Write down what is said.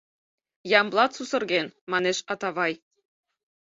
— Ямблат сусырген, — манеш Атавай.